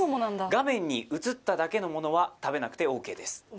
画面に映っただけのものは食べなくてＯＫです